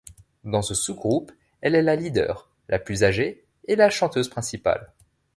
Dans ce sous-groupe, elle est la leader, la plus âgée et la chanteuse principale.